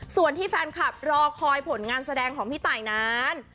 ส่วนที่แฟนคลับรอคอยผลงานแสดงของพี่ตายนั้น